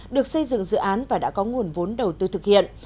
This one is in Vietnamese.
được xây dựng dự án và đã có nguồn vốn đầu tư thực hiện